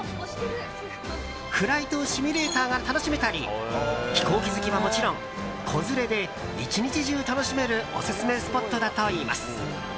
フライトシミュレータが楽しめたり飛行機好きはもちろん子連れで１日中楽しめるオススメスポットだといいます。